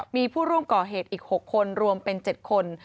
มีผู้ร่วมก่อเหตุอีก๖คนรวมเป็น๗คน